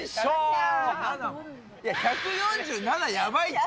１４７、やばいって。